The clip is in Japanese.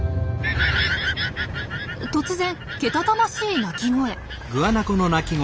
突然けたたましい鳴き声。